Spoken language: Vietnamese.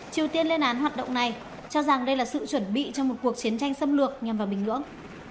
triều tiên lên án hoạt động này cho rằng đây là sự chuẩn bị cho một cuộc chiến tranh xâm lược nhằm vào bình nhưỡng